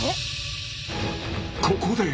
ここで！